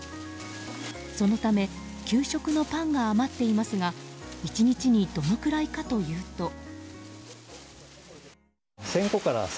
そのため、給食のパンが余っていますが１日にどのくらいかというと。